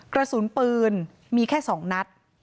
กระสุนปืนมีแค่๒นัด